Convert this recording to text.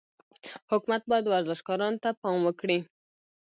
حکومت باید ورزشکارانو ته پام وکړي.